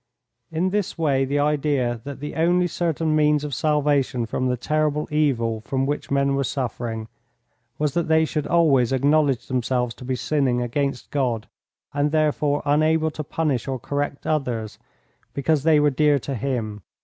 In this way the idea that the only certain means of salvation from the terrible evil from which men were suffering was that they should always acknowledge themselves to be sinning against God, and therefore unable to punish or correct others, because they were dear to Him.